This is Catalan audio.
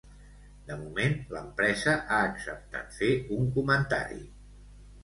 De moment, l'empresa ha acceptat fer un comentari.